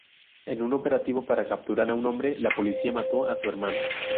En un operativo para capturar a un hombre, la policía mató a su hermano.